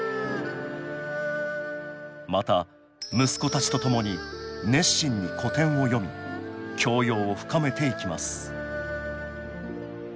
また息子たちとともに熱心に古典を読み教養を深めていきます